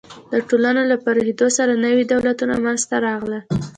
د ټولنو له پراخېدو سره نوي دولتونه منځ ته راغلل.